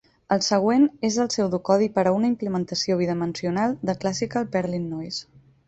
El següent és el pseudocodi per a una implementació bidimensional de Classical Perlin Noise.